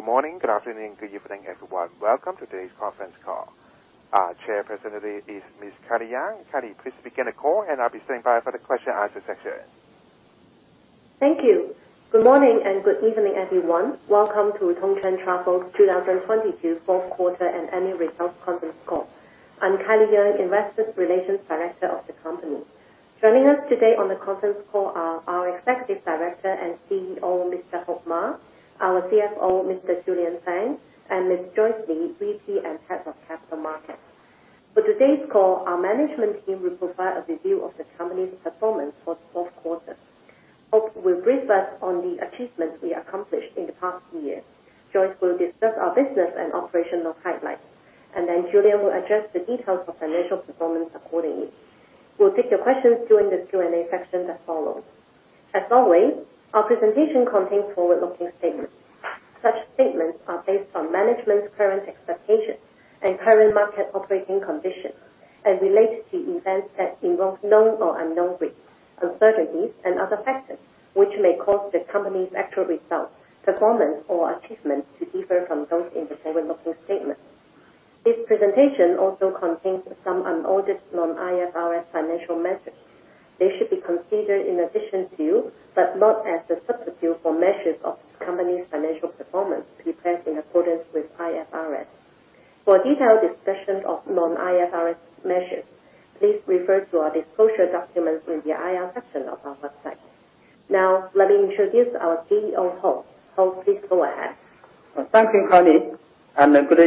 Good morning, good afternoon, good evening, everyone. Welcome to today's conference call. Our chairperson today is Ms. Kylie Yeung. Kylie, please begin the call, and I'll be standing by for the question-and-answer session. Thank you. Good morning and good evening, everyone. Welcome to Tongcheng Travel's 2022 Fourth Quarter and Annual Results Conference Call. I'm Kylie Yeung, Investor Relations Director of the company. Joining us today on the conference call are our Executive Director and CEO, Mr. Ma Heping, our CFO, Mr. Julian Fan, and Ms. Joyce Li, VP and Head of Capital Markets. For today's call, our management team will provide a review of the company's performance for the fourth quarter. Hope will brief us on the achievements we accomplished in the past year. Joyce will discuss our business and operational highlights, and then Julian will address the details of financial performance accordingly. We'll take your questions during this Q&A session that follows. As always, our presentation contains forward-looking statements. Such statements are based on management's current expectations and current market operating conditions and relate to events that involve known or unknown risks, uncertainties, and other factors, which may cause the company's actual results, performance, or achievements to differ from those in the forward-looking statement. This presentation also contains some unaudited non-IFRS financial measures. They should be considered in addition to, but not as a substitute for, measures of the company's financial performance prepared in accordance with IFRS. For a detailed discussion of non-IFRS measures, please refer to our disclosure documents in the IR section of our website. Let me introduce our CEO, Hope. Hope, please go ahead. Thank you, Kylie, and good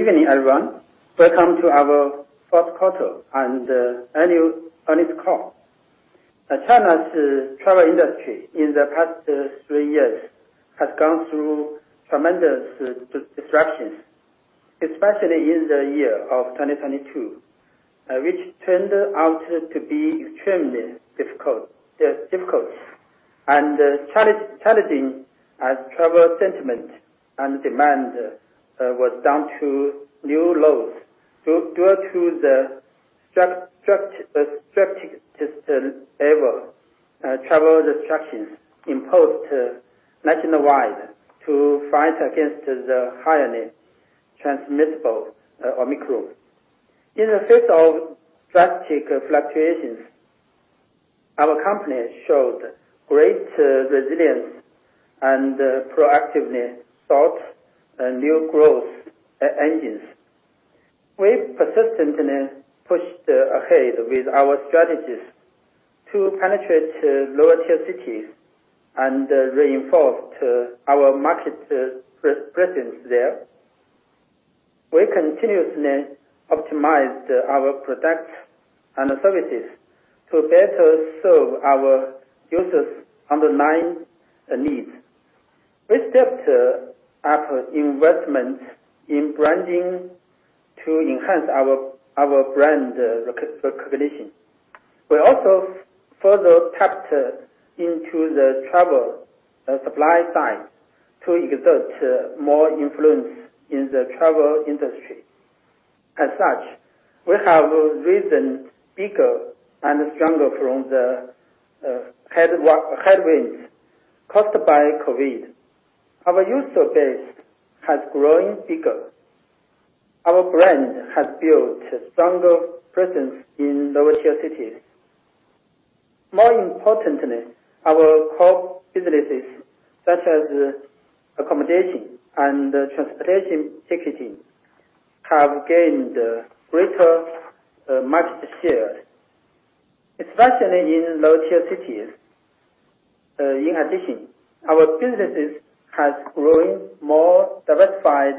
evening, everyone. Welcome to our Fourth Quarter and Annual Earnings Call. China's travel industry in the past three years has gone through tremendous disruptions, especially in the year of 2022, which turned out to be extremely difficult. Yeah, difficult and challenging as travel sentiment and demand was down to new lows due to the strictest ever travel restrictions imposed nationwide to fight against the highly transmissible Omicron. In the face of drastic fluctuations, our company showed great resilience and proactively sought new growth engines. We persistently pushed ahead with our strategies to penetrate lower tier cities and reinforced our market presence there. We continuously optimized our products and services to better serve our users' underlying needs. We stepped up investment in branding to enhance our brand recognition. We also further tapped into the travel supply side to exert more influence in the travel industry. As such, we have risen bigger and stronger from the headwinds caused by COVID. Our user base has grown bigger. Our brand has built stronger presence in lower tier cities. More importantly, our core businesses such as accommodation and transportation ticketing have gained greater market share, especially in lower tier cities. In addition, our businesses has grown more diversified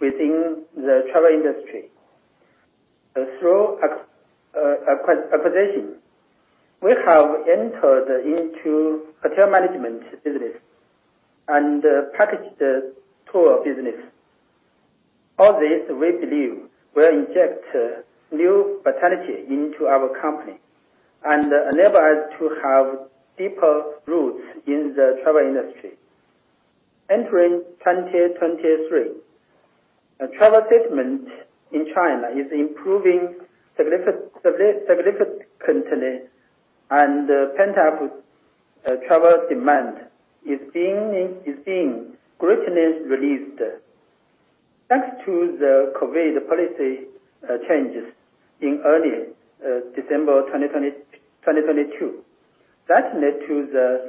within the travel industry. Through acquisition, we have entered into hotel management business and package tour business. All this, we believe, will inject new vitality into our company and enable us to have deeper roots in the travel industry. Entering 2023, travel sentiment in China is improving significantly, pent-up travel demand is being greatly released. Thanks to the COVID policy changes in early December 2022, that led to the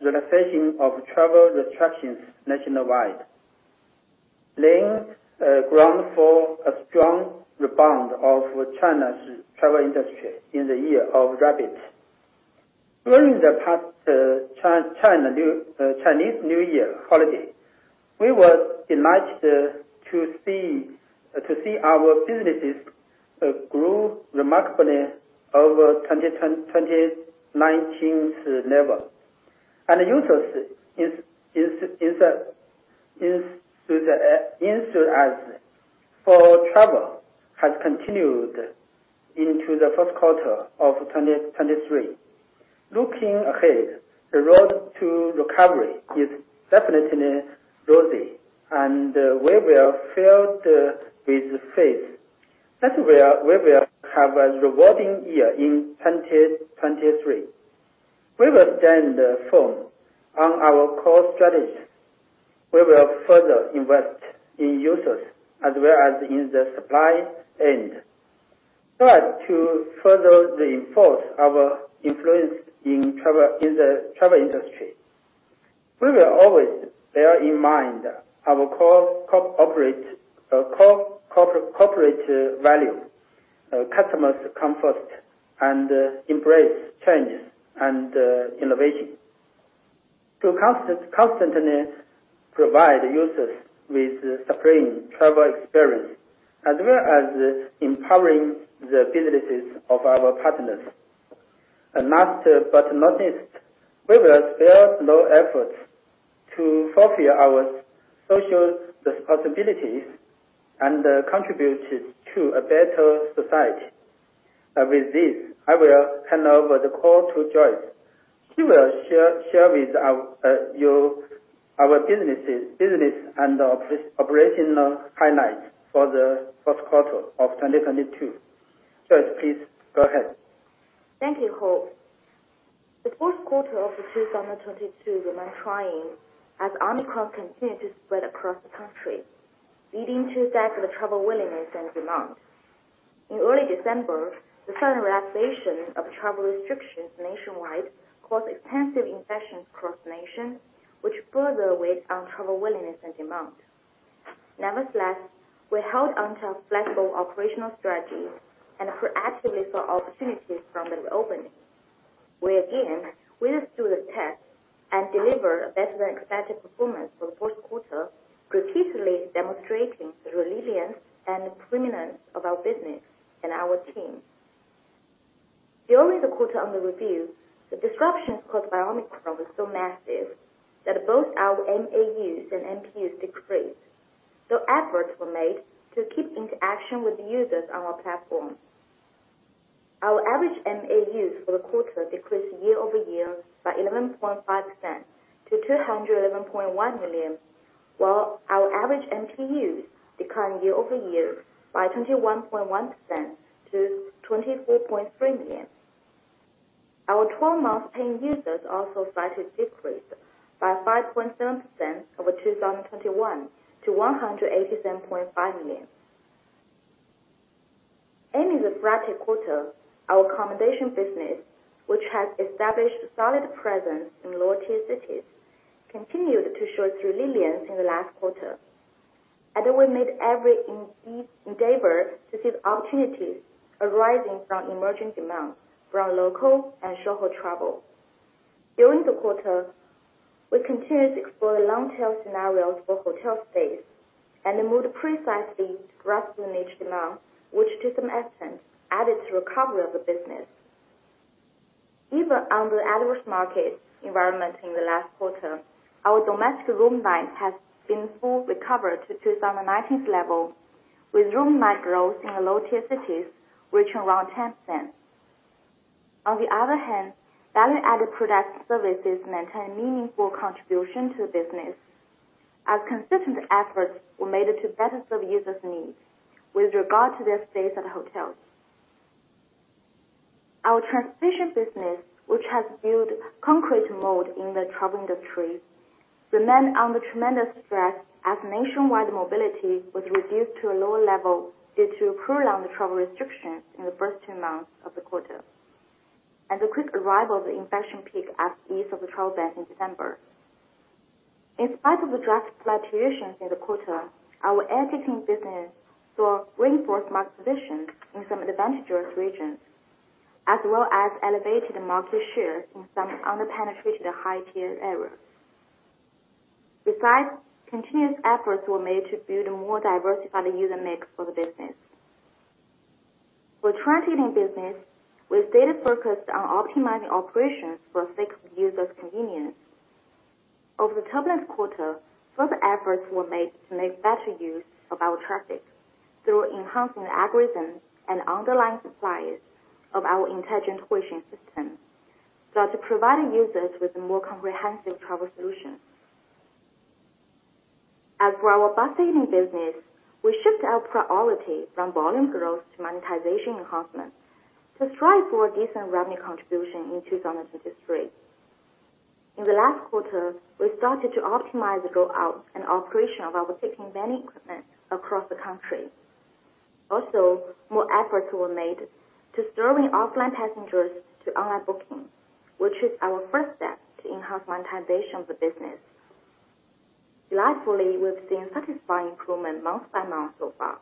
relaxation of travel restrictions nationwide, laying ground for a strong rebound of China's travel industry in the Year of the Rabbit. During the past Chinese New Year holiday, we were delighted to see our businesses grow remarkably over 2019's level. Users' enthusiasm for travel has continued into the first quarter of 2023. Looking ahead, the road to recovery is definitely rosy, we were filled with faith that we will have a rewarding year in 2023. We will stand firm on our core strategy. We will further invest in users as well as in the supply end. As to further reinforce our influence in the travel industry. We will always bear in mind our core corporate value, customers come first, and embrace changes and innovation to constantly provide users with supreme travel experience, as well as empowering the businesses of our partners. Last but not least, we will spare no efforts to fulfill our social responsibilities and contribute to a better society. With this, I will hand over the call to Joyce. She will share with you our business and operational highlights for the first quarter of 2022. Joyce, please go ahead. Thank you, Hope. The fourth quarter of 2022 remained trying as Omicron continued to spread across the country, leading to a dip in travel willingness and demand. In early December, the sudden relaxation of travel restrictions nationwide caused extensive infections across the nation, which further weighed on travel willingness and demand. Nevertheless, we held on to our flexible operational strategy and proactively sought opportunities from the reopening. We again withstood the test and delivered a better than expected performance for the fourth quarter, repeatedly demonstrating the resilience and the preeminence of our business and our team. During the quarter under review, the disruptions caused by Omicron were so massive that both our MAUs and MPUs decreased, so efforts were made to keep interaction with users on our platform. Our average MAUs for the quarter decreased year-over-year by 11.5% to 201.1 million, while our average MPUs declined year-over-year by 21.1% to 24.3 million. Our 12-month paying users also slightly decreased by 5.7% over 2021 to 187.5 million. Ending the frantic quarter, our accommodation business, which has established a solid presence in lower-tier cities, continued to show its resilience in the last quarter. We made every endeavor to seize opportunities arising from emerging demands from local and short-haul travel. During the quarter, we continued to explore the long-tail scenarios for hotel stays and moved precisely to grasp the niche demand, which to some extent added to recovery of the business. Even under adverse market environment in the last quarter, our domestic room night has been fully recovered to 2019th level, with room night growth in the low-tier cities reaching around 10%. On the other hand, value-added product services maintained meaningful contribution to the business as consistent efforts were made to better serve users' needs with regard to their stays at hotels. Our transportation business, which has built concrete mode in the travel industry, remained under tremendous stress as nationwide mobility was reduced to a lower level due to prolonged travel restrictions in the first 2 months of the quarter. The quick arrival of the infection peak at ease of the travel ban in December. In spite of the draft fluctuations in the quarter, our air ticketing business saw reinforced market position in some advantageous regions, as well as elevated market share in some under-penetrated high-tier areas. Continuous efforts were made to build a more diversified user mix for the business. Train ticketing business, we've stayed focused on optimizing operations for fixed users' convenience. Over the turbulent quarter, further efforts were made to make better use of our traffic through enhancing the algorithms and underlying supplies of our intelligent quotation system so as to provide users with more comprehensive travel solutions. Our bus ticketing business, we shift our priority from volume growth to monetization enhancement to strive for a decent revenue contribution in 2023. In the last quarter, we started to optimize the rollout and operation of our ticketing vending equipment across the country. More efforts were made to steering offline passengers to online booking, which is our first step to enhance monetization of the business. Delightfully, we've seen satisfying improvement month by month so far.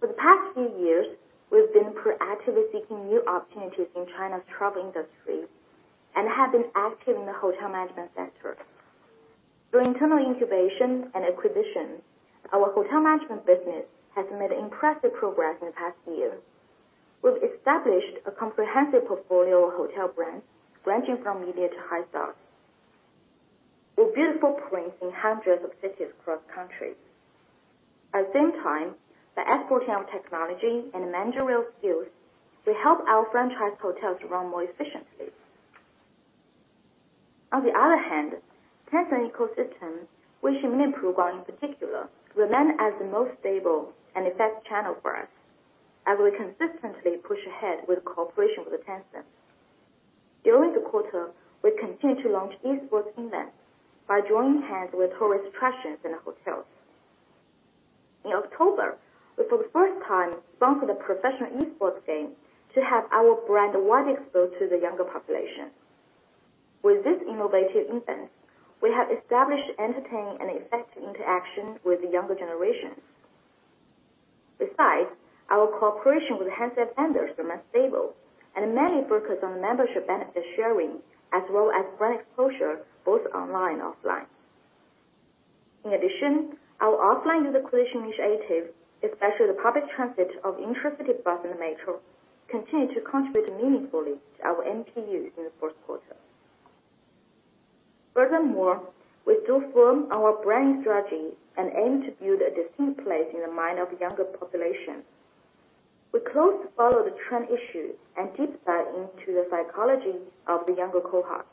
For the past few years, we've been proactively seeking new opportunities in China's travel industry and have been active in the hotel management sector. Through internal incubation and acquisitions, our hotel management business has made impressive progress in the past year. We've established a comprehensive portfolio of hotel brands ranging from mid tier to high stars, with beautiful prints in hundreds of cities across country. At the same time, by exporting our technology and managerial skills to help our franchise hotels run more efficiently. On the other hand, Tencent ecosystem, Weixin mini program in particular, remain as the most stable and effective channel for us as we consistently push ahead with cooperation with Tencent. During the quarter, we continued to launch Esports events by joining hands with tourist attractions and hotels. In October, we for the first time sponsored a professional Esports game to have our brand wide exposed to the younger population. With this innovative event, we have established entertaining and effective interactions with the younger generation. Besides, our cooperation with handset vendors remain stable and mainly focus on membership benefit sharing as well as brand exposure, both online and offline. In addition, our offline user coalition initiative, especially the public transit of intercity bus and metro, continued to contribute meaningfully to our MTUs in the fourth quarter. Furthermore, we still firm our brand strategy and aim to build a distinct place in the mind of younger population. We closely follow the trend issue and deep dive into the psychology of the younger cohort.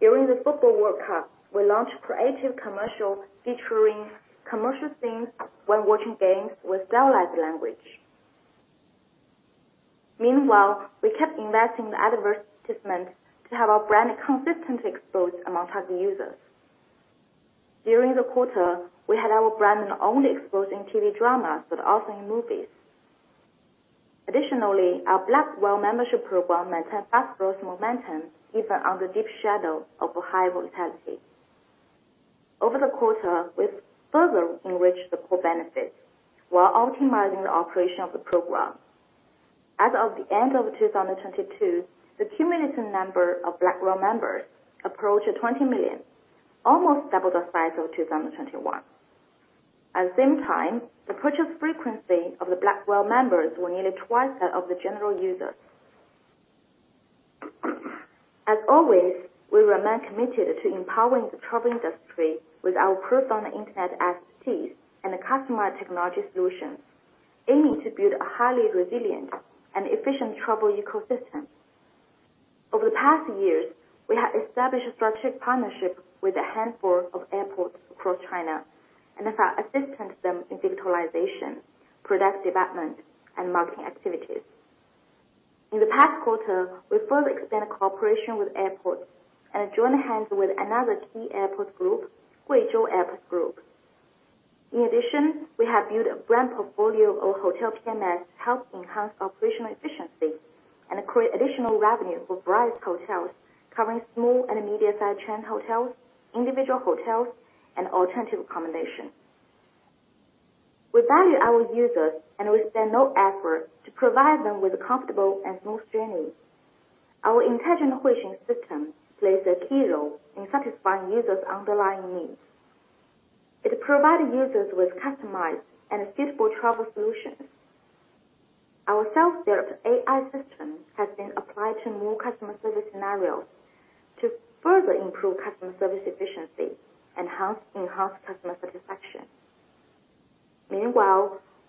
During the FIFA World Cup, we launched creative commercial featuring commercial scenes when watching games with stylized language. Meanwhile, we kept investing in advertisement to have our brand consistently exposed among heavy users. During the quarter, we had our brand not only exposed in TV dramas, but also in movies. Additionally, our Black Whale membership program maintained fast growth momentum even under deep shadow of high volatility. Over the quarter, we've further enriched the core benefits while optimizing the operation of the program. As of the end of 2022, the cumulative number of Black Whale members approached 20 million, almost double the size of 2021. At the same time, the purchase frequency of the Black Whale members were nearly twice that of the general users. As always, we remain committed to empowering the travel industry with our profound internet expertise and customized technology solutions, aiming to build a highly resilient and efficient travel ecosystem. Over the past years, we have established a strategic partnership with a handful of airports across China and have assisted them in digitalization, product development, and marketing activities. In the past quarter, we further expanded cooperation with airports and joined hands with another key airport group, Guizhou Airports Group. In addition, we have built a brand portfolio of hotel PMS to help enhance operational efficiency and create additional revenue for various hotels covering small and medium-sized chain hotels, individual hotels, and alternative accommodation. We value our users, and we spare no effort to provide them with a comfortable and smooth journey. Our intelligent Huixing system plays a key role in satisfying users' underlying needs. It provide users with customized and suitable travel solutions. Our self-service AI system has been applied to more customer service scenarios to further improve customer service efficiency and enhance customer satisfaction.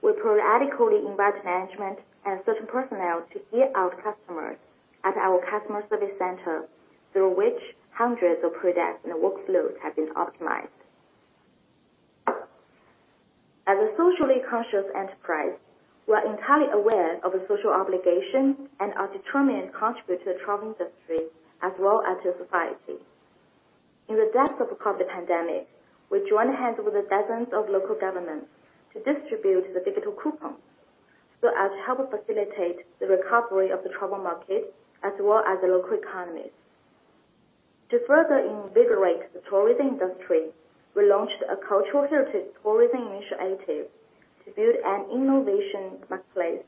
We periodically invite management and certain personnel to hear out customers at our customer service center, through which hundreds of products and workflows have been optimized. As a socially conscious enterprise, we are entirely aware of the social obligation and are determined to contribute to the travel industry as well as to society. In the depths of the COVID pandemic, we joined hands with dozens of local governments to distribute the digital coupons so as to help facilitate the recovery of the travel market as well as the local economies. To further invigorate the tourism industry, we launched a cultural heritage tourism initiative to build an innovation marketplace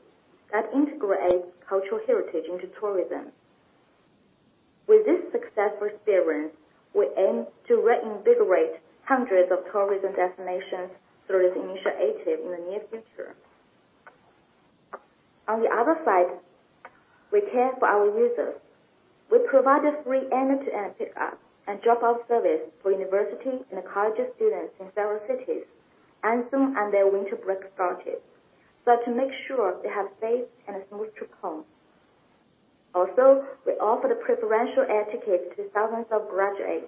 that integrates cultural heritage into tourism. With this successful experience, we aim to reinvigorate hundreds of tourism destinations through this initiative in the near future. On the other side, we care for our users. We provided free end-to-end pickup and drop-off service for university and college students in several cities as soon as their winter break started, so to make sure they have safe and smooth trip home. We offered a preferential air ticket to thousands of graduates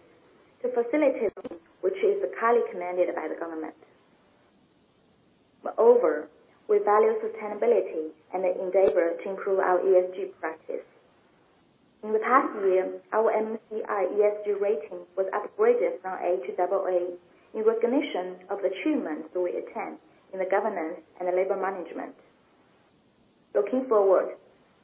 to facilitate, which is highly commended by the government. We value sustainability and endeavor to improve our ESG practice. In the past year, our MSCI ESG rating was upgraded from A to double A in recognition of the achievements we attained in the governance and the labor management. Looking forward,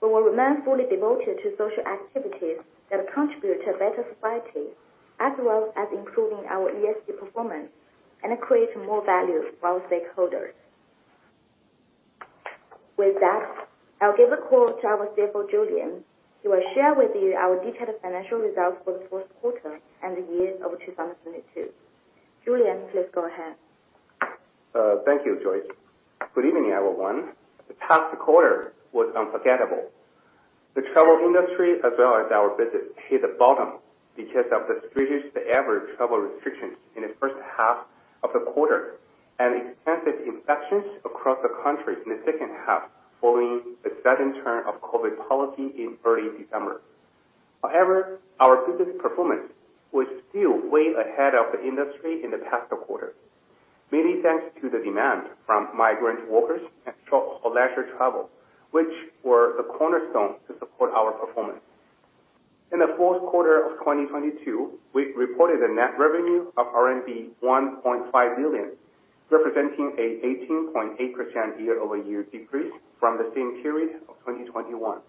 we will remain fully devoted to social activities that contribute to a better society, as well as improving our ESG performance and create more value for our stakeholders. With that, I'll give the call to our CFO, Julian, who will share with you our detailed financial results for the fourth quarter and the year of 2022. Julian, please go ahead. Thank you, Joyce. Good evening, everyone. The past quarter was unforgettable. The travel industry as well as our business hit the bottom because of the strictest ever travel restrictions in the first half of the quarter. Extensive infections across the country in the second half following the sudden turn of COVID policy in early December. Our business performance was still way ahead of the industry in the past quarter, mainly thanks to the demand from migrant workers and leisure travel, which were the cornerstone to support our performance. In the fourth quarter of 2022, we reported a net revenue of RMB 1.5 billion, representing an 18.8% year-over-year decrease from the same period of 2021.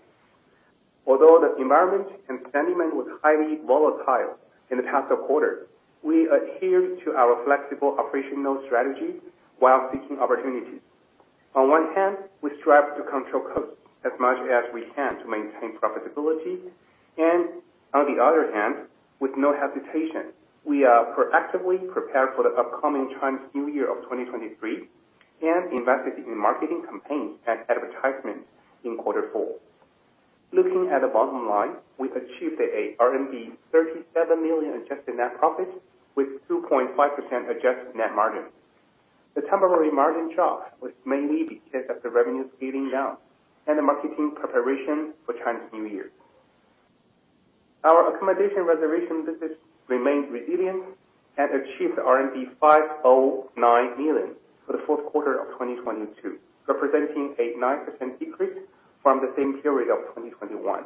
Although the environment and sentiment was highly volatile in the past quarter, we adhered to our flexible operational strategy while seeking opportunities. On one hand, we strive to control costs as much as we can to maintain profitability. On the other hand, with no hesitation, we are proactively prepared for the upcoming Chinese New Year of 2023 and invested in marketing campaigns and advertisements in quarter four. Looking at the bottom line, we achieved a RMB 37 million adjusted net profit with 2.5% adjusted net margin. The temporary margin drop was mainly because of the revenue scaling down and the marketing preparation for Chinese New Year. Our accommodation reservation business remained resilient and achieved RMB 509 million for the fourth quarter of 2022, representing a 9% decrease from the same period of 2021.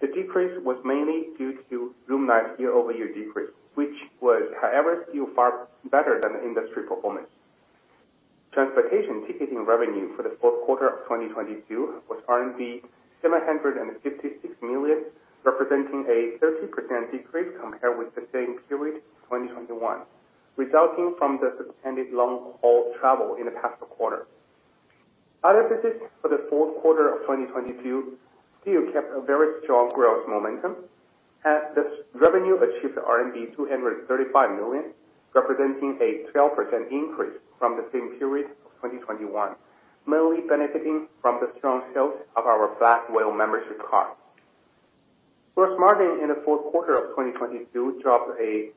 The decrease was mainly due to room night year-over-year decrease, which was, however, still far better than industry performance. Transportation ticketing revenue for the fourth quarter of 2022 was 756 million, representing a 30% decrease compared with the same period, 2021, resulting from the suspended long-haul travel in the past quarter. Other business for the fourth quarter of 2022 still kept a very strong growth momentum, as the revenue achieved RMB 235 million, representing a 12% increase from the same period of 2021, mainly benefiting from the strong sales of our Black Whale membership card. Gross margin in the fourth quarter of 2022 dropped to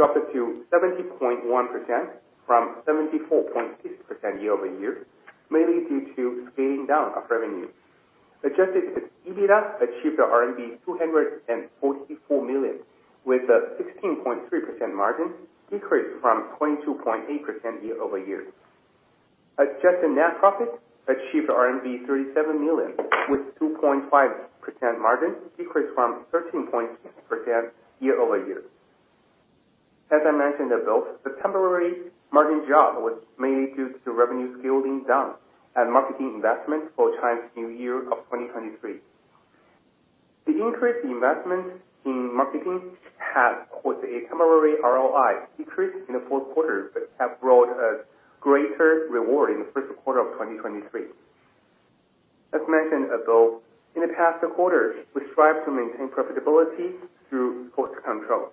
70.1% from 74.6% year-over-year, mainly due to scaling down of revenue. Adjusted EBITDA achieved RMB 244 million with a 16.3% margin decrease from 22.8% year-over-year. Adjusted net profit achieved RMB 37 million with 2.5% margin decrease from 13.6% year-over-year. As I mentioned above, the temporary margin drop was mainly due to revenue scaling down and marketing investment for Chinese New Year of 2023. The increased investment in marketing was a temporary ROI decrease in the fourth quarter, but have brought a greater reward in the first quarter of 2023. As mentioned above, in the past quarters, we strive to maintain profitability through cost control.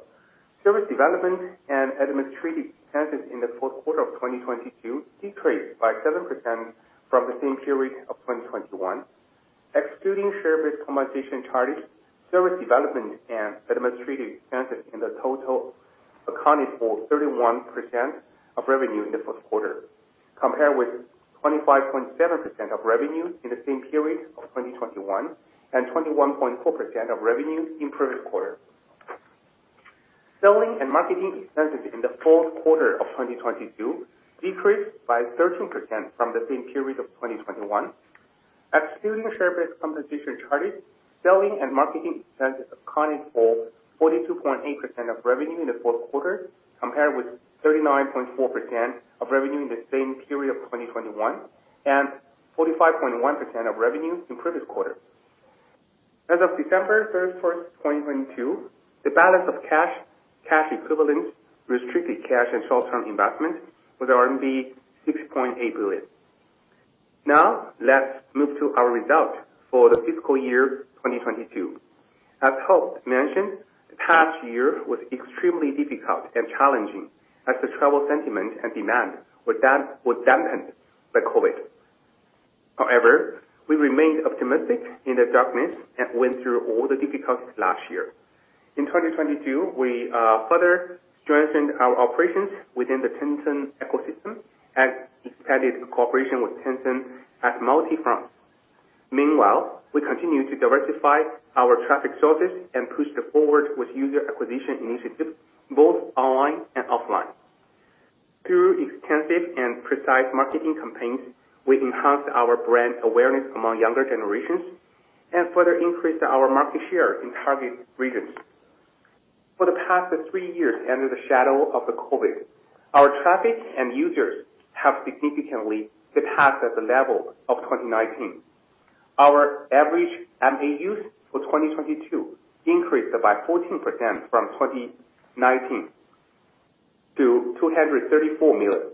Service development and administrative expenses in the fourth quarter of 2022 decreased by 7% from the same period of 2021. Excluding share-based compensation charges, service development and administrative expenses in the total accounted for 31% of revenue in the fourth quarter, compared with 25.7% of revenue in the same period of 2021, and 21.4% of revenue in previous quarter. Selling and marketing expenses in the fourth quarter of 2022 decreased by 13% from the same period of 2021. Excluding share-based compensation charges, selling and marketing expenses accounted for 42.8% of revenue in the fourth quarter, compared with 39.4% of revenue in the same period of 2021, and 45.1% of revenue in previous quarter. As of December 31, 2022, the balance of cash equivalents, restricted cash and short-term investments was RMB 6.8 billion. Now, let's move to our results for the fiscal year 2022. As Hope mentioned, the past year was extremely difficult and challenging as the travel sentiment and demand was dampened by COVID. We remained optimistic in the darkness and went through all the difficulties last year. In 2022, we further strengthened our operations within the Tencent ecosystem and expanded cooperation with Tencent at multi fronts. We continue to diversify our traffic sources and push it forward with user acquisition initiatives both online and offline. Through extensive and precise marketing campaigns, we enhanced our brand awareness among younger generations and further increased our market share in target regions. For the past three years under the shadow of the COVID, our traffic and users have significantly surpassed at the level of 2019. Our average MAUs for 2022 increased by 14% from 2019 to 234 million.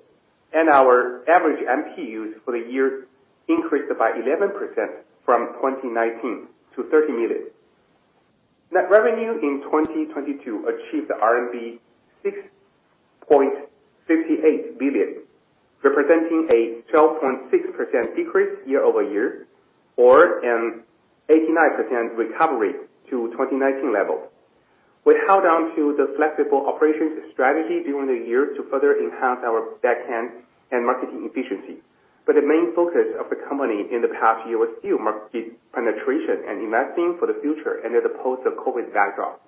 Our average MPUs for the year increased by 11% from 2019 to 30 million. Net revenue in 2022 achieved RMB 6.58 billion, representing a 12.6% decrease year-over-year or an 89% recovery to 2019 level. We held on to the flexible operations strategy during the year to further enhance our back-end and marketing efficiency. The main focus of the company in the past year was still market penetration and investing for the future amid the post-COVID backdrop.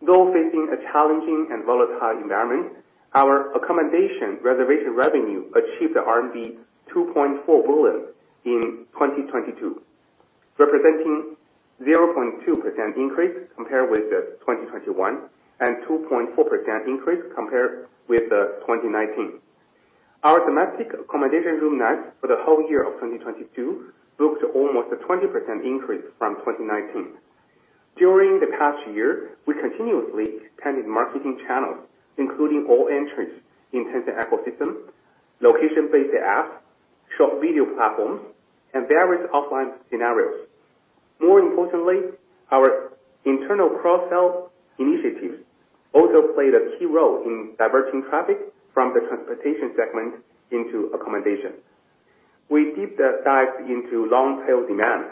Though facing a challenging and volatile environment, our accommodation reservation revenue achieved RMB 2.4 billion in 2022, representing 0.2% increase compared with 2021, and 2.4% increase compared with 2019. Our domestic accommodation room nights for the whole year of 2022 booked almost a 20% increase from 2019. During the past year, we continuously expanded marketing channels, including all entrants in Tencent ecosystem, location-based apps, short video platforms, and various offline scenarios. More importantly, our internal cross-sell initiatives also played a key role in diverting traffic from the transportation segment into accommodation. We deep delved into long-tail demand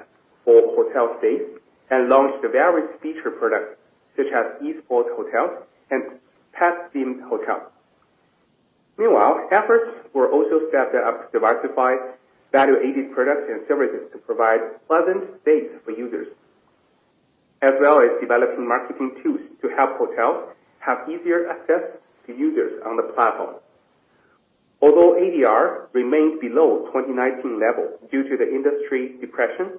for hotel stays and launched various feature products such as Esports Hotels and Pet-themed Hotel. Meanwhile, efforts were also stepped up to diversify value-added products and services to provide pleasant stays for users, as well as developing marketing tools to help hotels have easier access to users on the platform. Although ADR remained below 2019 levels due to the industry depression,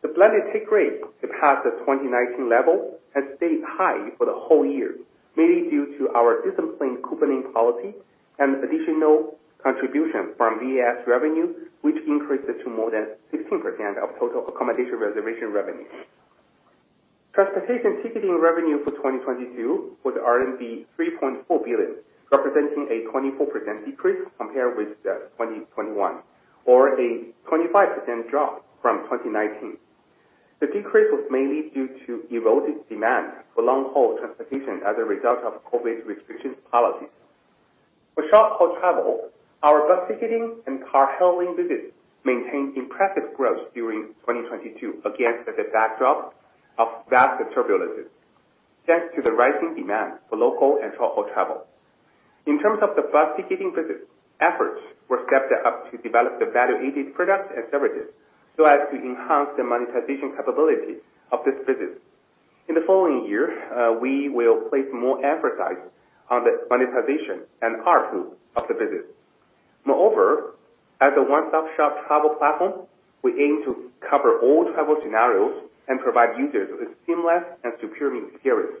the blended take rate surpassed the 2019 level and stayed high for the whole year, mainly due to our disciplined couponing policy and additional contribution from VAS revenue, which increased to more than 16% of total accommodation reservation revenue. Transportation ticketing revenue for 2022 was RMB 3.4 billion, representing a 24% decrease compared with the 2021, or a 25% drop from 2019. The decrease was mainly due to eroded demand for long-haul transportation as a result of COVID restriction policies. For short-haul travel, our bus ticketing and carpooling business maintained impressive growth during 2022 against the backdrop of vast turbulences, thanks to the rising demand for local and short-haul travel. In terms of the bus ticketing business, efforts were stepped up to develop the value-added products and services so as to enhance the monetization capabilities of this business. In the following year, we will place more emphasis on the monetization and ARPU of the business. Moreover, as a one-stop-shop travel platform, we aim to cover all travel scenarios and provide users with seamless and superior experience.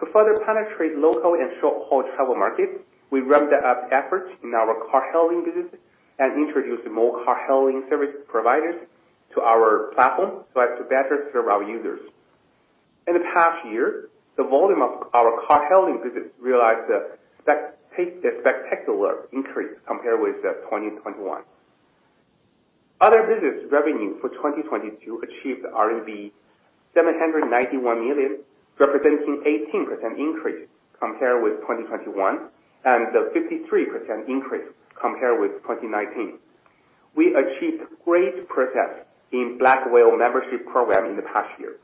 To further penetrate local and short-haul travel markets, we ramped up efforts in our carpooling business and introduced more carpooling service providers to our platform so as to better serve our users. In the past year, the volume of our carpooling business realized a spectacular increase compared with 2021. Other business revenue for 2022 achieved the RMB 791 million, representing 18% increase compared with 2021, and the 53% increase compared with 2019. We achieved great progress in Black Whale membership program in the past year.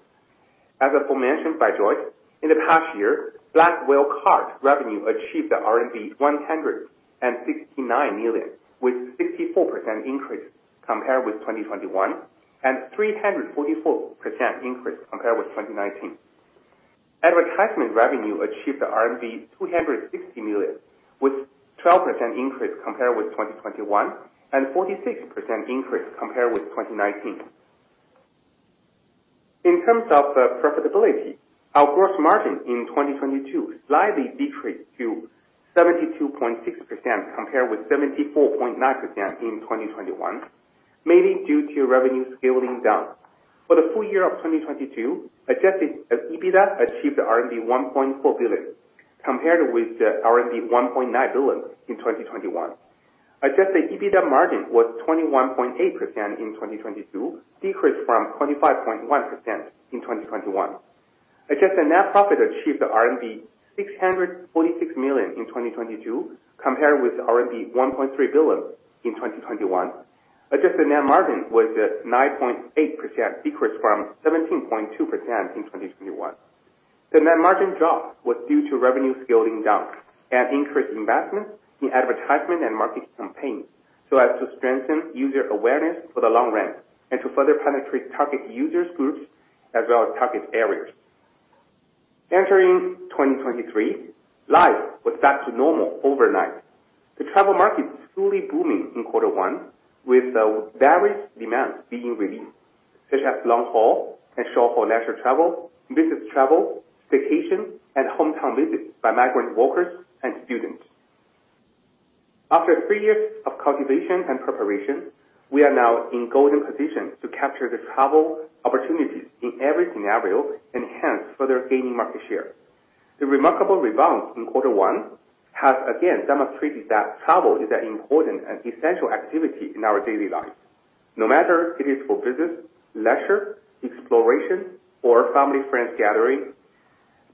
As aforementioned by Joyce, in the past year, Black Whale card revenue achieved the RMB 169 million with 64% increase compared with 2021 and 344% increase compared with 2019. Advertisement revenue achieved the RMB 260 million with 12% increase compared with 2021 and 46% increase compared with 2019. In terms of profitability, our gross margin in 2022 slightly decreased to 72.6% compared with 74.9% in 2021, mainly due to revenue scaling down. For the full year of 2022, Adjusted EBITDA achieved RMB 1.4 billion compared with RMB 1.9 billion in 2021. Adjusted EBITDA margin was 21.8% in 2022, decreased from 25.1% in 2021. Adjusted net profit achieved RMB 646 million in 2022 compared with RMB 1.3 billion in 2021. Adjusted net margin was at 9.8%, decreased from 17.2% in 2021. The net margin drop was due to revenue scaling down and increased investment in advertisement and marketing campaigns so as to strengthen user awareness for the long run and to further penetrate target users groups as well as target areas. Entering 2023, life was back to normal overnight. The travel market is truly booming in quarter one with various demands being released, such as long-haul and short-haul leisure travel, business travel, staycation, and hometown visits by migrant workers and students. After three years of cultivation and preparation, we are now in golden position to capture the travel opportunities in every scenario and hence further gaining market share. The remarkable rebound in quarter one has again demonstrated that travel is an important and essential activity in our daily lives. No matter if it is for business, leisure, exploration, or family friends gathering.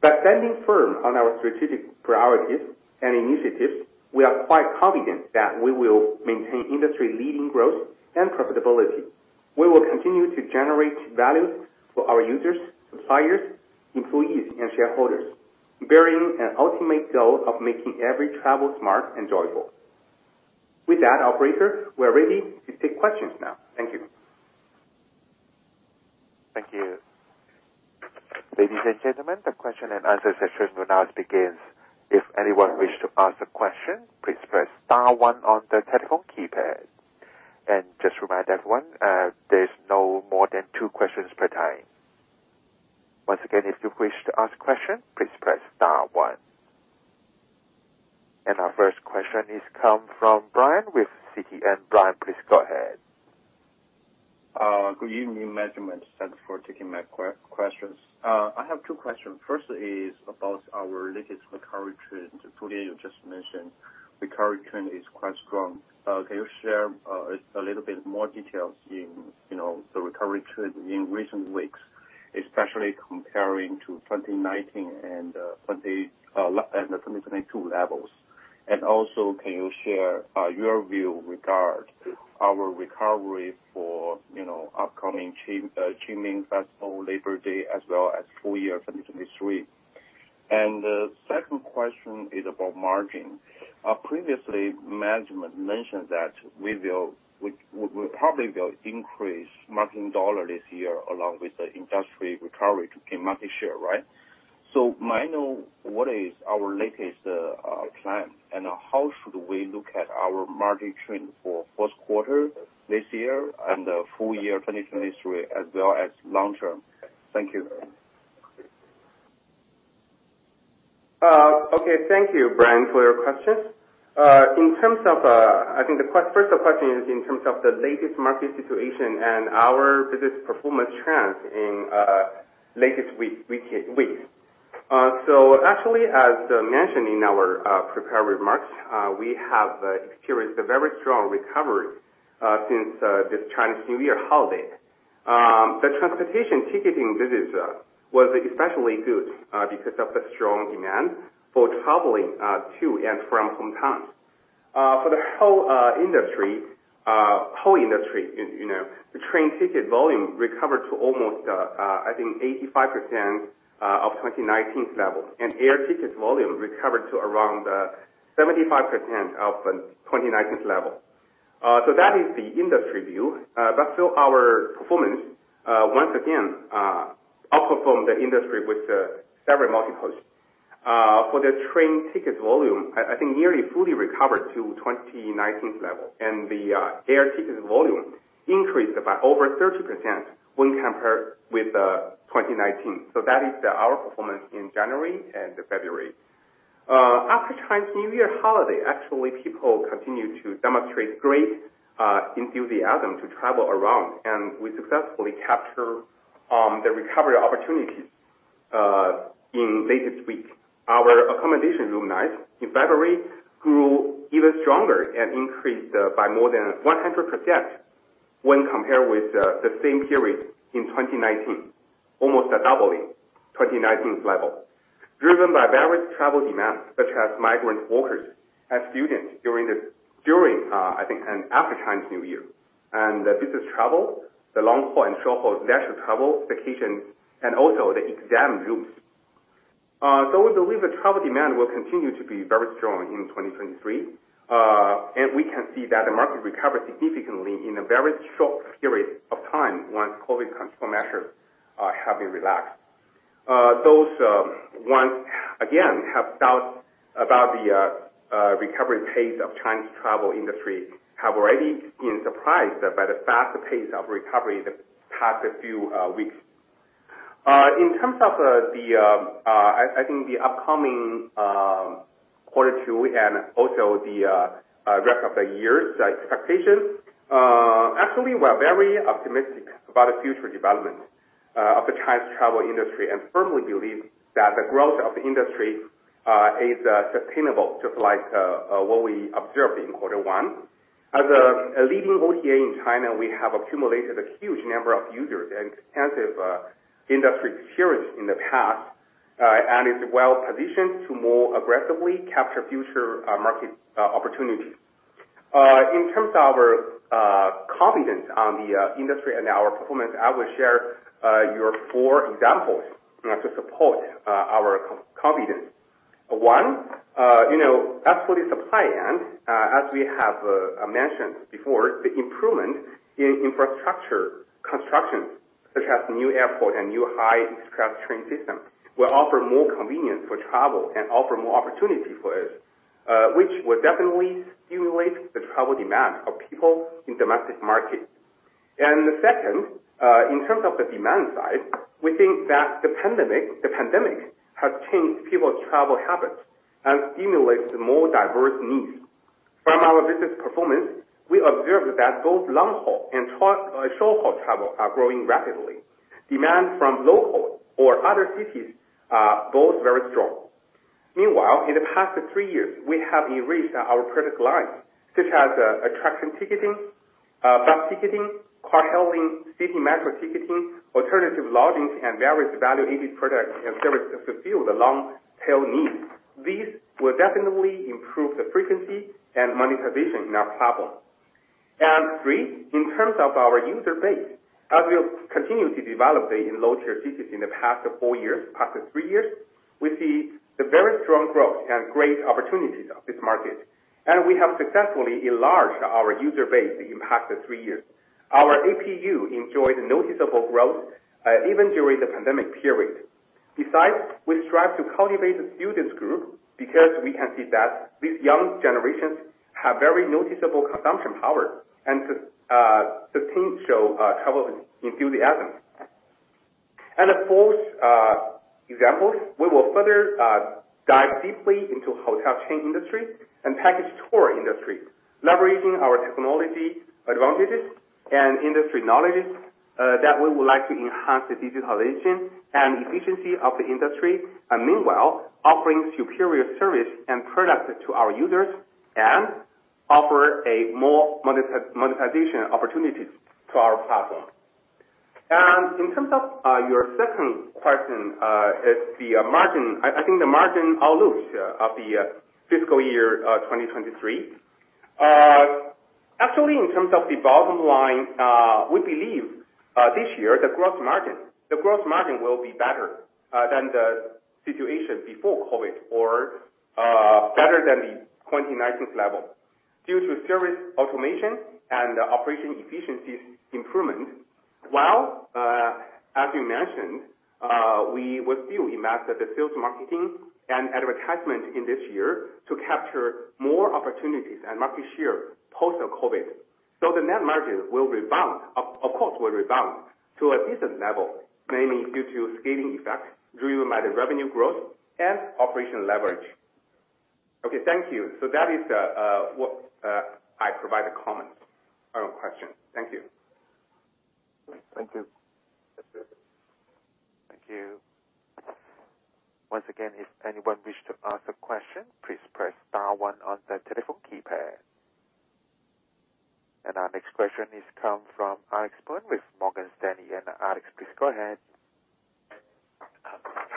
By standing firm on our strategic priorities and initiatives, we are quite confident that we will maintain industry-leading growth and profitability. We will continue to generate value for our users, suppliers, employees and shareholders, bearing an ultimate goal of making every travel smart, enjoyable. With that, operator, we are ready to take questions now. Thank you. Thank you. Ladies and gentlemen, the question-and-answer session will now begins. If anyone wish to ask a question, please press star one on the telephone keypad. Just remind everyone, there's no more than 2 questions per time. Once again, if you wish to ask question, please press star one. Our first question is come from Brian with Citi. Brian, please go ahead. Good evening management. Thanks for taking my questions. I have 2 questions. First is about our latest recovery trend. Today, you just mentioned recovery trend is quite strong. Can you share a little bit more details in, you know, the recovery trend in recent weeks, especially comparing to 2019 and 2022 levels? Also, can you share your view regard to our recovery for, you know, upcoming Qingming Festival, Labor Day, as well as full year 2023? The second question is about margin. Previously management mentioned that we probably will increase margin dollar this year along with the industry recovery in market share, right? May I know what is our latest plan and how should we look at our margin trend for first quarter this year and full year 2023, as well as long term? Thank you. Okay. Thank you, Brian, for your questions. In terms of, I think the first question is in terms of the latest market situation and our business performance trends in latest weeks. Actually, as mentioned in our prepared remarks, we have experienced a very strong recovery since this Chinese New Year holiday. The transportation ticketing business was especially good because of the strong demand for traveling to and from hometowns. For the whole industry, you know, the train ticket volume recovered to almost, I think 85% of 2019 level. Air ticket volume recovered to around 75% of 2019 level. That is the industry view. Still our performance, once again, outperformed the industry with several multiples. For the train ticket volume, I think nearly fully recovered to 2019 level. The air ticket volume increased by over 30% when compared with 2019. That is our performance in January and February. After Chinese New Year holiday, actually people continued to demonstrate great enthusiasm to travel around, and we successfully capture the recovery opportunities in latest week. Our accommodation room nights in February grew even stronger and increased by more than 100% when compared with the same period in 2019, almost doubling 2019 level. Driven by various travel demands, such as migrant workers and students during and after Chinese New Year. Business travel, the long-haul and short-haul national travel vacations and also the exam groups. We believe that travel demand will continue to be very strong in 2023. We can see that the market recovered significantly in a very short period of time once COVID control measures have been relaxed. Those once again have doubts about the recovery pace of Chinese travel industry have already been surprised by the fast pace of recovery the past few weeks. In terms of I think the upcoming quarter two and also the rest of the year's expectations, actually we're very optimistic about the future development of the Chinese travel industry and firmly believe that the growth of the industry is sustainable, just like what we observed in quarter one. As a leading OTA in China, we have accumulated a huge number of users and extensive industry experience in the past, and is well-positioned to more aggressively capture future market opportunities. In terms of our confidence on the industry and our performance, I will share your 4 examples to support our confidence. One, you know, as for the supply end, as we have mentioned before, the improvement in infrastructure construction, such as new airport and new high-speed train system, will offer more convenience for travel and offer more opportunity for us, which will definitely stimulate the travel demand of people in domestic market. The second, in terms of the demand side, we think that the pandemic has changed people's travel habits and stimulates more diverse needs. From our business performance, we observed that both long-haul and short-haul travel are growing rapidly. Demand from local or other cities are both very strong. Meanwhile, in the past three years, we have enriched our product line, such as attraction ticketing, bus ticketing, car hailing, city metro ticketing, alternative lodging, and various value-added products and services to fill the long tail needs. These will definitely improve the frequency and monetization in our platform. 3, in terms of our user base, as we have continued to develop the in-road services in the past three years, we see the very strong growth and great opportunities of this market, and we have successfully enlarged our user base in past three years. Our APU enjoyed noticeable growth even during the pandemic period. Besides, we strive to cultivate the students group because we can see that these young generations have very noticeable consumption power and to the students show travel enthusiasm. The fourth example, we will further dive deeply into hotel chain industry and package tour industry, leveraging our technology advantages and industry knowledges that we would like to enhance the digitalization and efficiency of the industry, and meanwhile, offering superior service and products to our users and offer a more monetization opportunities to our platform. In terms of your second question is the margin. I think the margin outlook of the fiscal year 2023.Actually, in terms of the bottom line, we believe this year, the gross margin, the gross margin will be better than the situation before COVID or better than the 2019 level due to service automation and operation efficiencies improvement. While, as you mentioned, we will still invest at the sales marketing and advertisement in this year to capture more opportunities and market share post COVID. The net margin will rebound, of course, will rebound to a decent level, mainly due to scaling effect driven by the revenue growth and operational leverage. Okay. Thank you. That is what I provide the comments on question. Thank you. Thank you. Thank you. Once again, if anyone wish to ask a question, please press star 1 on the telephone keypad. Our next question is come from Alex Poon with Morgan Stanley. Alex, please go ahead.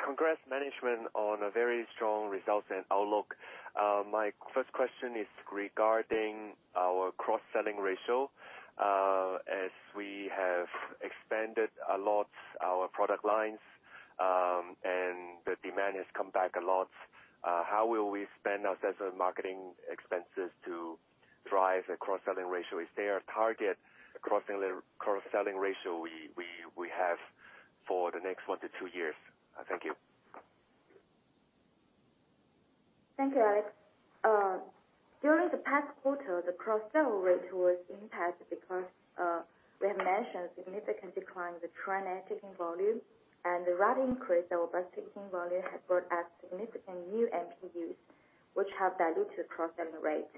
Congrats management on a very strong results and outlook. My first question is regarding our cross-selling ratio. As we have expanded a lot our product lines, and the demand has come back a lot, how will we spend our sales and marketing expenses to drive a cross-selling ratio? Is there a target cross-selling ratio we have for the next one to two years? Thank you. Thank you, Alex. During the past quarter, the cross-sell rate was impacted because we have mentioned a significant decline in the train and air ticketing volume and the rapid increase our bus ticketing volume has brought us significant new MPUs which have diluted the cross-selling rate.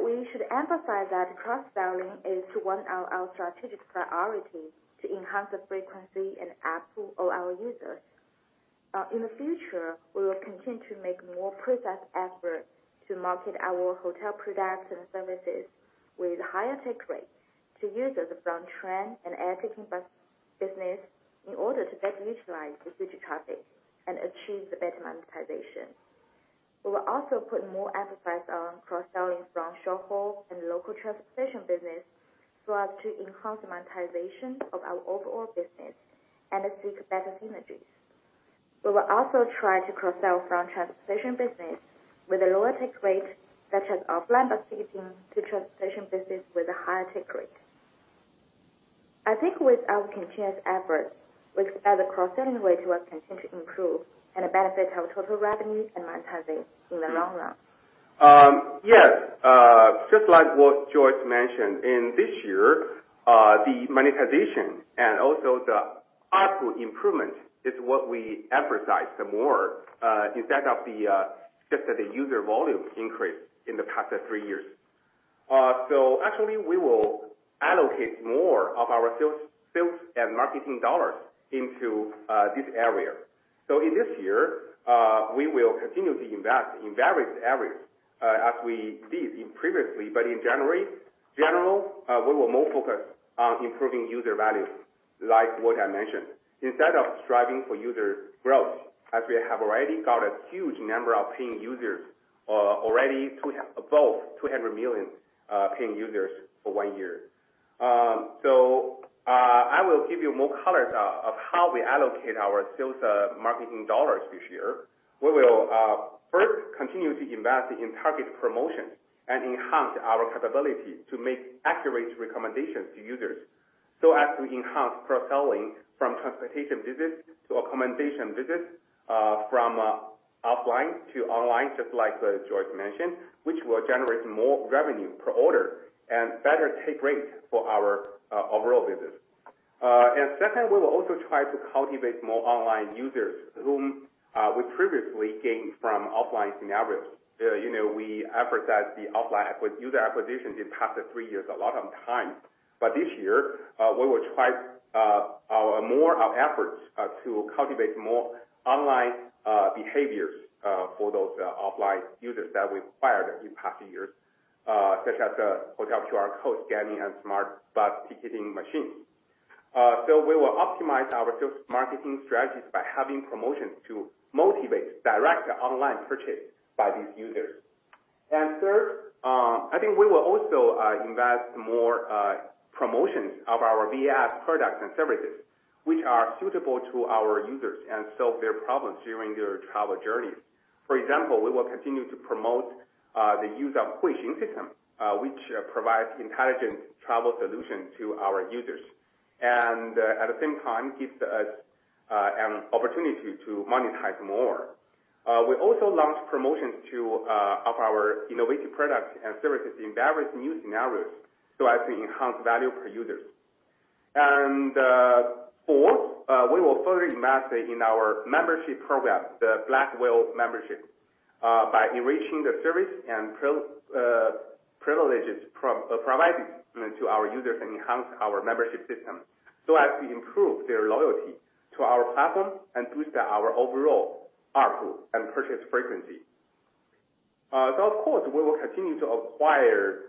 We should emphasize that cross-selling is one of our strategic priorities to enhance the frequency and ARPU of our users. In the future, we will continue to make more precise effort to market our hotel products and services with higher take rate to users from train and air ticketing bus business in order to better neutralize the future traffic and achieve the better monetization. We will also put more emphasis on cross-selling from short haul and local transportation business so as to enhance the monetization of our overall business and to seek better synergies. We will also try to cross-sell from transportation business with a lower take rate, such as offline bus ticketing to transportation business with a higher take rate. I think with our continuous efforts, which as the cross-selling rate will continue to improve and the benefit of total revenue and monetization in the long run. Yes, just like what Joyce mentioned, in this year, the monetization and also the ARPU improvement is what we emphasize the more, instead of the just the user volume increase in the past three years. Actually we will allocate more of our sales and marketing dollars into this area. In this year, we will continue to invest in various areas, as we did previously, but in general, we will more focus on improving user value, like what I mentioned, instead of striving for user growth, as we have already got a huge number of paying users, already above 200 million paying users for one year. I will give you more colors of how we allocate our sales marketing dollars this year. We will first continue to invest in targeted promotion and enhance our capability to make accurate recommendations to users so as to enhance cross-selling from transportation business to accommodation business, from offline to online, just like Joyce mentioned, which will generate more revenue per order and better take rate for our overall business. Second, we will also try to cultivate more online users whom we previously gained from offline scenarios. You know, we advertise the offline user acquisition in past 3 years a lot of time. This year, we will try our more of efforts to cultivate more online behaviors for those offline users that we acquired in past years. Such as the hotel QR code scanning and smart bus ticketing machines. We will optimize our sales marketing strategies by having promotions to motivate direct online purchase by these users. Third, I think we will also invest more promotions of our VS products and services which are suitable to our users and solve their problems during their travel journeys. For example, we will continue to promote the use of Huixing system, which provides intelligent travel solutions to our users, and at the same time, gives us an opportunity to monetize more. We also launched promotions to of our innovative products and services in various new scenarios so as to enhance value per users. Four, we will further invest in our membership program, the Black Whale membership, by enriching the service and privileges providing to our users and enhance our membership system so as to improve their loyalty to our platform and boost our overall ARPU and purchase frequency. Of course, we will continue to acquire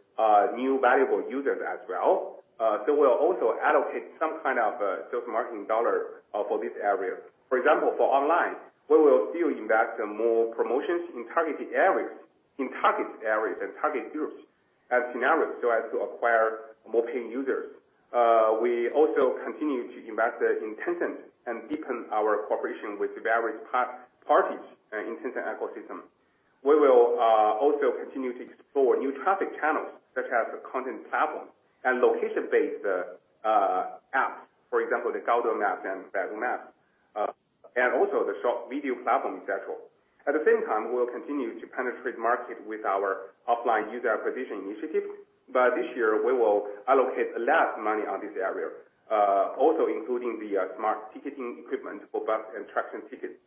new valuable users as well. We'll also allocate some kind of a sales marketing dollar for this area. For example, for online, we will still invest in more promotions in targeted areas, in target areas and target groups and scenarios so as to acquire more paying users. We also continue to invest in Tencent and deepen our cooperation with various parties in Tencent ecosystem. We will also continue to explore new traffic channels, such as the content platform and location-based apps. For example, the Gaode Map and Baidu Map, and also the short video platform, et cetera. At the same time, we'll continue to penetrate market with our offline user acquisition initiatives. This year we will allocate less money on this area, also including the smart ticketing equipment for bus and traction ticket,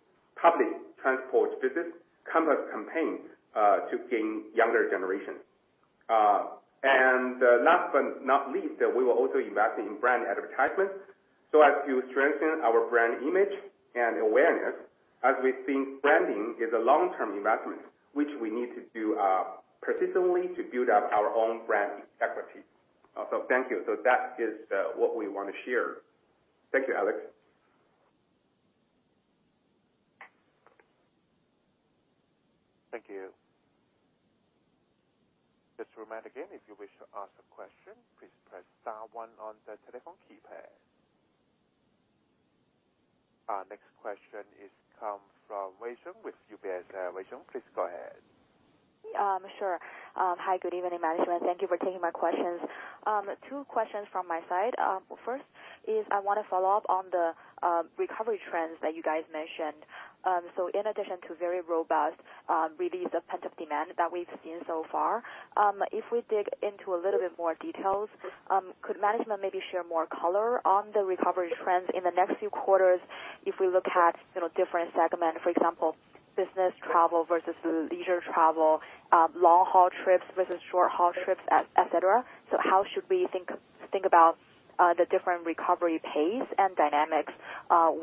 public transport business, commerce campaigns, to gain younger generation. Last but not least, we will also invest in brand advertisements so as to strengthen our brand image and awareness, as we think branding is a long-term investment which we need to do persistently to build up our own brand equity. Thank you. That is what we wanna share. Thank you, Alex. Thank you. Just to remind again, if you wish to ask a question, please press star one on the telephone keypad. Our next question is come from Wei Xiong with UBS. Wei Xiong, please go ahead. Sure. Hi, good evening, management. Thank you for taking my questions. Two questions from my side. First is I wanna follow up on the recovery trends that you guys mentioned. In addition to very robust release of pent-up demand that we've seen so far, if we dig into a little bit more details, could management maybe share more color on the recovery trends in the next few quarters if we look at, you know, different segment? For example, business travel versus leisure travel, long-haul trips versus short-haul trips, et cetera. How should we think about the different recovery pace and dynamics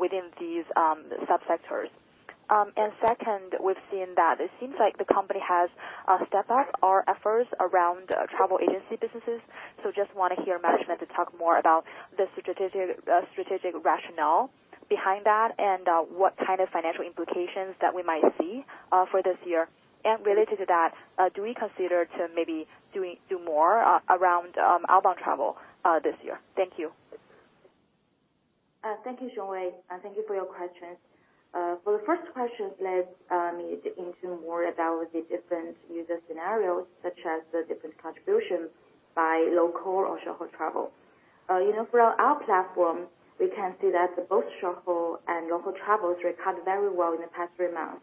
within these sub-sectors? Second, we've seen that it seems like the company has stepped up our efforts around travel agency businesses. Just wanna hear management to talk more about the strategic rationale behind that, and what kind of financial implications that we might see for this year. Related to that, do we consider to maybe do more around outbound travel this year? Thank you. Thank you, Wei. Thank you for your questions. For the first question, let me dig into more about the different user scenarios such as the different contributions by local or short-haul travel. You know, for our platform, we can see that both short-haul and long-haul travels recovered very well in the past three months.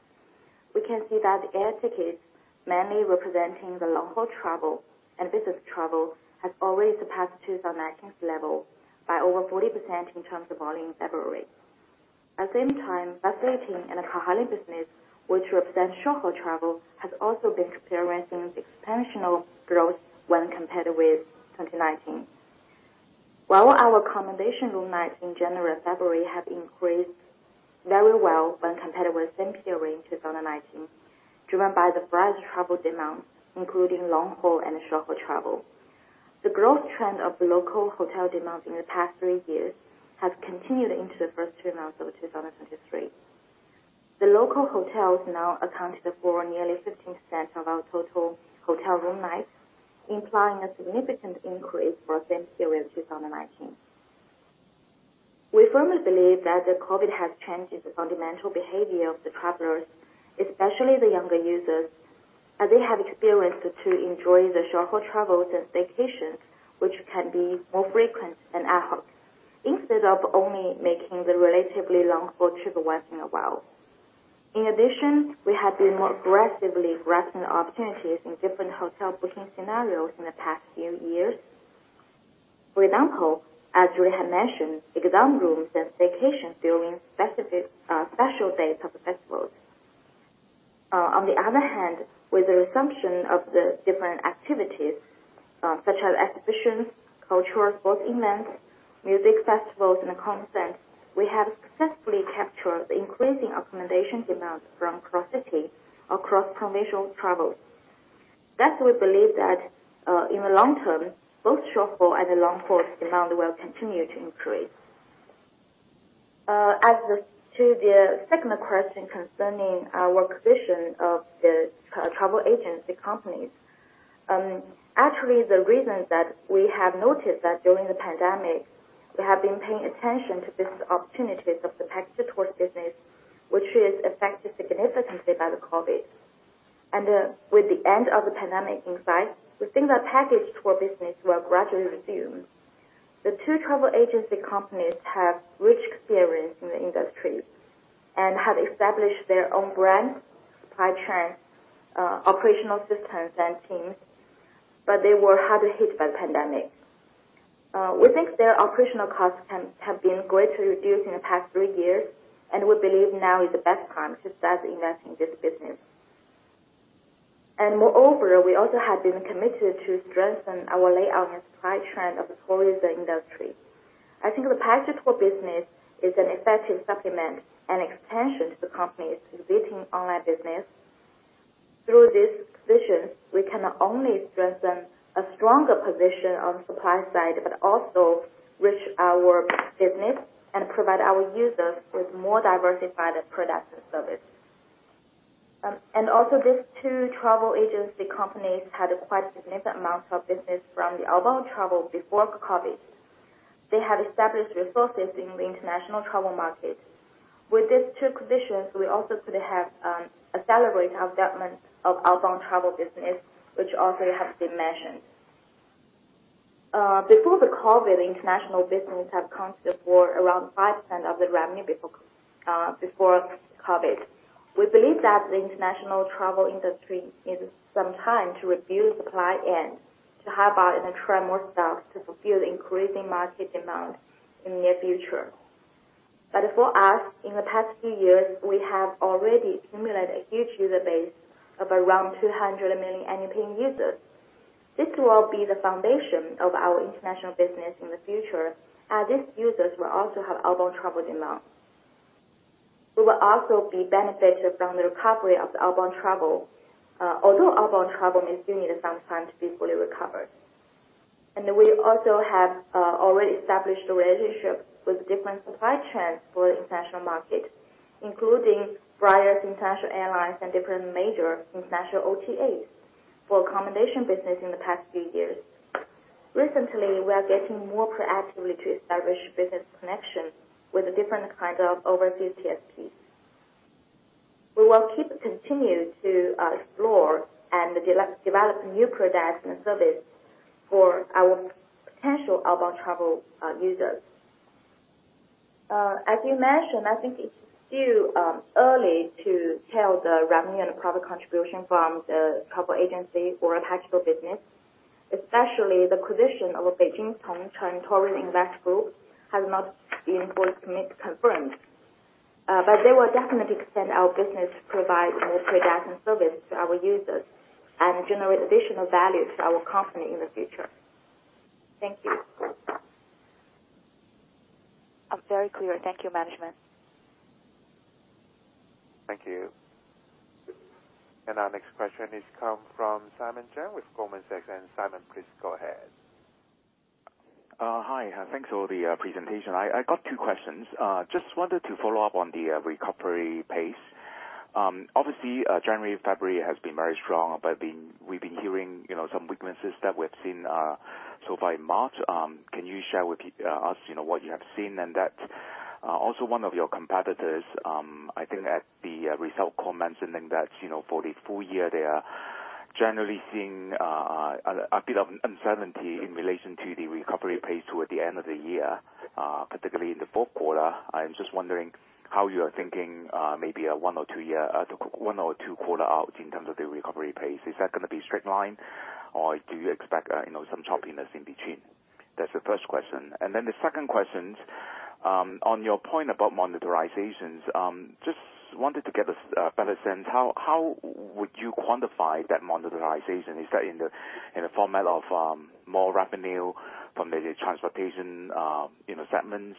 We can see that air tickets, mainly representing the long-haul travel and business travel, has already surpassed to 2019's level by over 40% in terms of volume in February. At the same time, bus ticketing and car hailing business, which represents short-haul travel, has also been experiencing expansion of growth when compared with 2019. Our accommodation room nights in January and February have increased very well when compared with same period in 2019, driven by the rise of travel demand, including long-haul and short-haul travel. The growth trend of local hotel demands in the past three years has continued into the first two months of 2023. The local hotels now accounted for nearly 15% of our total hotel room nights, implying a significant increase for same period in 2019. We firmly believe that the COVID has changed the fundamental behavior of the travelers, especially the younger users, as they have experienced to enjoy the short-haul travels and staycations which can be more frequent and ad hoc, instead of only making the relatively long-haul trip once in a while. In addition, we have been more aggressively grasping the opportunities in different hotel booking scenarios in the past few years. For example, as Julie had mentioned, exam rooms and staycations during specific special days of the festivals. On the other hand, with the resumption of the different activities such as exhibitions, cultural sports events, music festivals, and concerts. We have successfully captured the increasing accommodation demands from cross city across provincial travels. We believe that in the long term, both short haul and the long haul demand will continue to increase. As to the second question concerning our acquisition of the travel agency companies, actually, the reason that we have noticed that during the pandemic, we have been paying attention to business opportunities of the package tours business, which is affected significantly by the COVID. With the end of the pandemic in sight, we think that package tour business will gradually resume. The two travel agency companies have rich experience in the industry and have established their own brand, supply chain, operational systems and teams, but they were harder hit by the pandemic. We think their operational costs can have been greatly reduced in the past three years, and we believe now is the best time to start investing in this business. Moreover, we also have been committed to strengthen our layout and supply chain of the tourism industry. I think the package tour business is an effective supplement and expansion to the company's existing online business. Through this position, we can not only strengthen a stronger position on supply side, but also reach our business and provide our users with more diversified products and service. Also these two travel agency companies had quite significant amounts of business from the outbound travel before COVID. They have established resources in the international travel market. With these two acquisitions, we also could have accelerate our development of outbound travel business, which also has been mentioned. Before the COVID, the international business have accounted for around 5% of the revenue before COVID. We believe that the international travel industry needs some time to review supply and to hire back and train more staff to fulfill increasing market demand in near future. For us, in the past few years, we have already accumulated a huge user base of around 200 million Annual Paying Users. This will be the foundation of our international business in the future, as these users will also have outbound travel demand. We will also be benefited from the recovery of the outbound travel, although outbound travel may still need some time to be fully recovered. We also have already established a relationship with different supply chains for international market, including various international airlines and different major international OTAs for accommodation business in the past few years. Recently, we are getting more proactively to establish business connections with different kinds of overseas TSPs. We will keep continue to explore and develop new products and service for our potential outbound travel users. As you mentioned, I think it's still early to tell the revenue and the profit contribution from the travel agency or package tour business, especially the acquisition of Beijing Tongcheng Tourism Investment Group has not been board commit confirmed. They will definitely extend our business to provide more products and service to our users and generate additional value to our company in the future. Thank you. Very clear. Thank you, management. Thank you. Our next question is come from Simon Cheung with Goldman Sachs. Simon, please go ahead. Hi. Thanks for the presentation. I got 2 questions. Just wanted to follow up on the recovery pace. Obviously, January, February has been very strong. We've been hearing, you know, some weaknesses that we've seen so far in March. Can you share with us, you know, what you have seen? Also, one of your competitors, I think at the result call, mentioning that, you know, for the full year, they are generally seeing a bit of uncertainty in relation to the recovery pace toward the end of the year, particularly in the fourth quarter. I'm just wondering how you are thinking, maybe a 1 or 2 year, 1 or 2 quarter out in terms of the recovery pace? Is that gonna be straight line, or do you expect, you know, some choppiness in between? That's the first question. The second question, on your point about monetizations, just wanted to get a better sense how would you quantify that monetization? Is that in the, in the format of, more revenue from the transportation, you know, segments,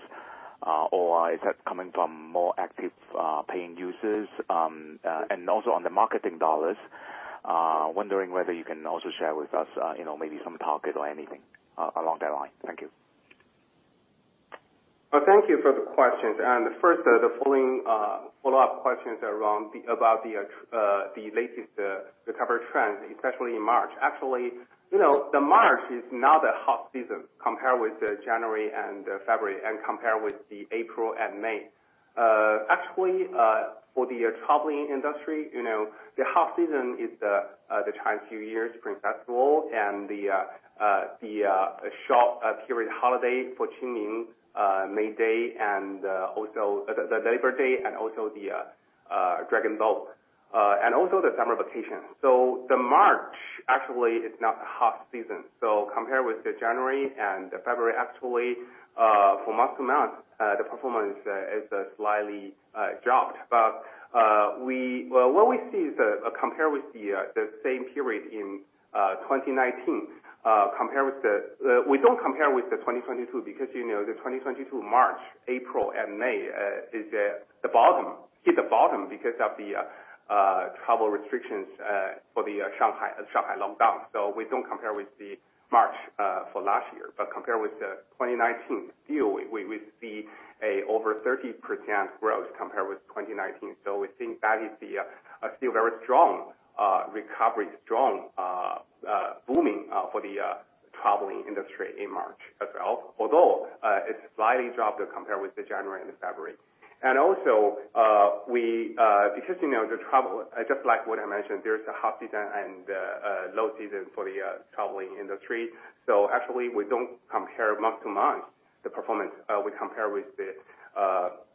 or is that coming from more active, paying users? Also on the marketing dollars, wondering whether you can also share with us, you know, maybe some target or anything, along that line. Thank you. Thank you for the questions. First, the following, follow-up questions around the, about the latest, recovery trends, especially in March. Actually, you know, March is not a hot season compared with January and February and compared with April and May. Actually, for the traveling industry, you know, the off season is the Chinese New Year Spring Festival and the short period holiday for Qingming, May Day and also the Labor Day and also the Dragon Boat and also the summer vacation. The March actually is not the hot season. Compared with the January and February actually, from month-to-month, the performance is slightly dropped. Well, what we see is, compare with the same period in 2019, we don't compare with the 2022 because, you know, the 2022 March, April and May is the bottom. Hit the bottom because of the travel restrictions for the Shanghai lockdown. We don't compare with the March for last year. Compared with the 2019, still we see a over 30% growth compared with 2019. We think that is the still very strong recovery, strong booming for the traveling industry in March as well. Although it's slightly dropped compared with the January and February. Because, you know, the travel, just like what I mentioned, there's the hot season and low season for the traveling industry. Actually we don't compare month to month the performance.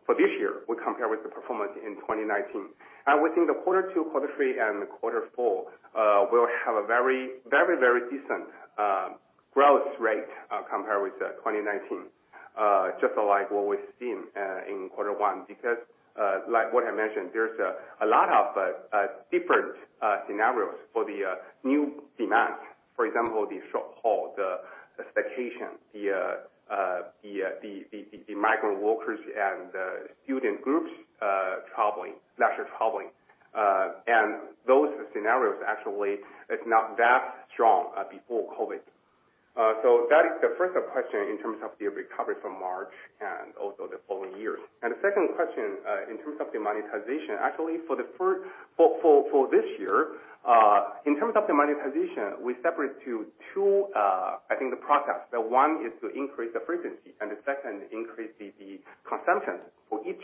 For this year, we compare with the performance in 2019. We think the quarter two, quarter three, and quarter four, will have a very decent growth rate, compared with 2019. Just like what we've seen in quarter one. Because like what I mentioned, there's a lot of different scenarios for the new demand. For example, the short haul, the staycation, the migrant workers and student groups traveling, leisure traveling. Those scenarios actually is not that strong before COVID. That is the first question in terms of the recovery from March and also the following year. The second question in terms of the monetization. Actually, For this year, in terms of the monetization, we separate to 2, I think the process. The one is to increase the frequency and the second increase the consumption for each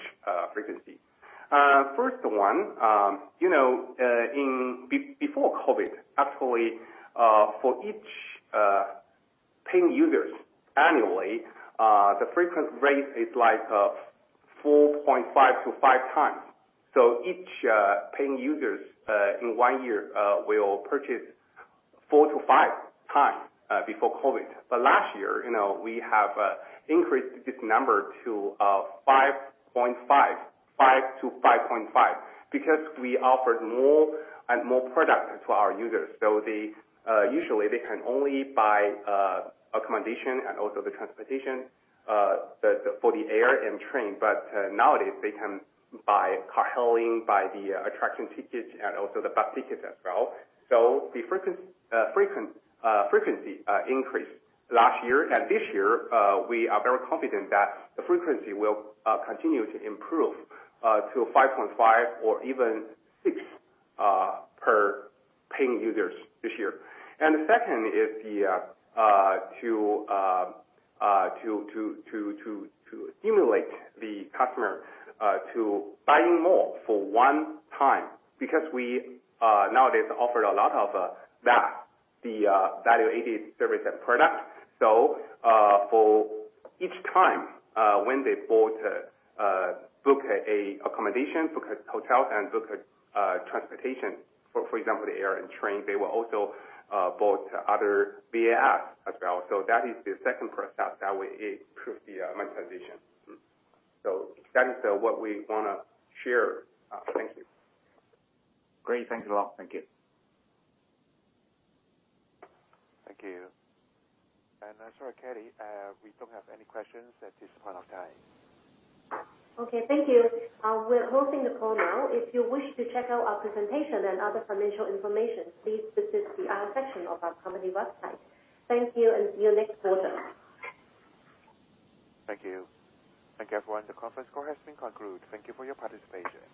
frequency. First one, you know, before COVID, actually, for each paying users annually, the frequency rate is like 4.5-5 times. Each paying users in one year will purchase 4-5 times before COVID. Last year, you know, we have increased this number to 5.5-5.5 because we offered more and more product to our users. They usually they can only buy accommodation and also the transportation for the air and train. Nowadays they can buy car hailing, buy the attraction tickets and also the bus tickets as well. frequency increased last year and this year, we are very confident that the frequency will continue to improve to a 5.5 or even 6 per paying users this year. The second is to stimulate the customer to buying more for one time because we nowadays offered a lot of that, the value-added service and product. For each time, when they book an accommodation, book a hotel and book a transportation, for example, the air and train, they will also book other VAS as well. That is the second process that will improve the monetization. That is what we wanna share. Thank you. Great. Thank you, a lot. Thank you. Thank you. Sorry, Kylie, we don't have any questions at this point of time. Okay, thank you. We're closing the call now. If you wish to check out our presentation and other financial information, please visit the IR section of our company website. Thank you and see you next quarter. Thank you. Thank you, everyone. The conference call has been concluded. Thank you for your participation.